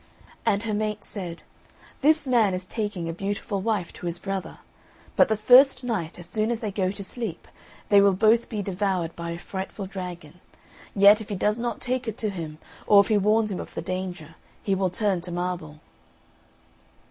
And her mate said, "This man is taking a beautiful wife to his brother; but the first night, as soon as they go to sleep, they will both be devoured by a frightful dragon; yet if he does not take her to him, or if he warns him of the danger, he will turn to marble."